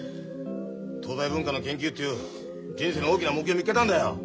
東西文化の研究っていう人生の大きな目標を見っけたんだよ。